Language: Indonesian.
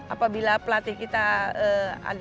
apabila pelatih kita ada tugas di jakarta ya